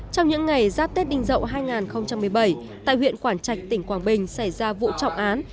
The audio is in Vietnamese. trong những ngày giáp tết đinh dậu hai nghìn một mươi bảy tại huyện quảng trạch tỉnh quảng bình xảy ra vụ trọng án